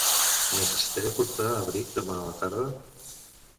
Necessitaré portar abric demà a la tarda?